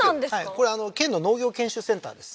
これ県の農業研修センターです